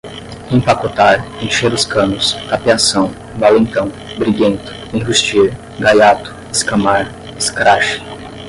empacotar, encher os canos, tapeação, valentão, briguento, enrustir, gaiato, escamar, escrache